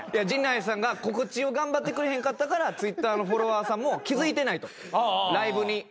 陣内さんが告知を頑張ってくれへんかったからＴｗｉｔｔｅｒのフォロワーさんも気付いてないとライブに。